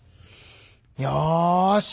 よし！